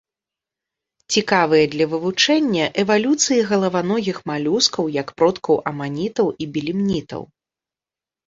Цікавыя для вывучэння эвалюцыі галаваногіх малюскаў як продкаў аманітаў і белемнітаў.